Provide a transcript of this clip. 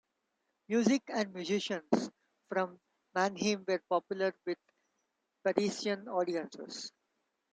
Music and musicians from Mannheim were popular with Parisian audiences.